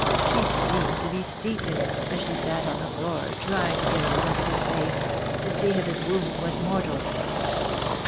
She seemed to be steeped in it, as she sat on the floor trying to get a look at his face — to see if his wound was mortal.